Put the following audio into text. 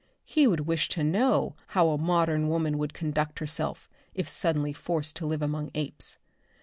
He would wish to know how a modern woman would conduct herself if suddenly forced to live among apes.